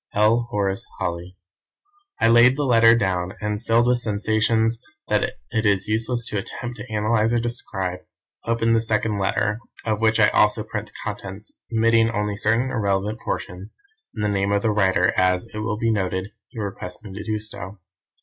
"L. Horace Holly." I laid the letter down, and, filled with sensations that it is useless to attempt to analyse or describe, opened the second envelope, of which I also print the contents, omitting only certain irrelevant portions, and the name of the writer as, it will be noted, he requests me to do.